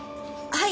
はい。